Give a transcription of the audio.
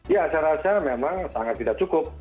ya saya rasa memang sangat tidak cukup